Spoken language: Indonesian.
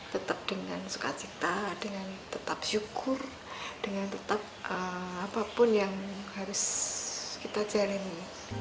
tetap dengan sukacita dengan tetap syukur dengan tetap apapun yang harus kita jalani